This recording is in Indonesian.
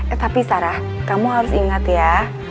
eh tapi sarah kamu harus ingat ya